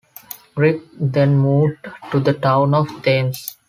Grigg then moved to the town of Thames.